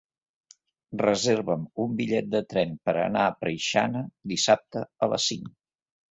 Reserva'm un bitllet de tren per anar a Preixana dissabte a les cinc.